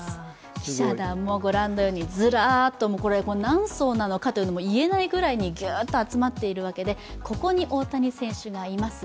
記者団もご覧のようにずらーっと何層なのかっていえないぐらいにぎゅっと集まっているわけでここに大谷選手がいます。